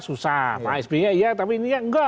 susah pak sp ya iya tapi ini ya